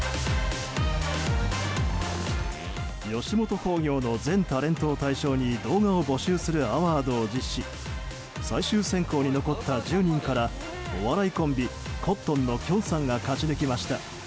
吉本興業の全タレントを対象に動画を募集するアワードを実施し最終選考に残った１０人からお笑いコンビコットンのきょんさんが勝ち抜きました。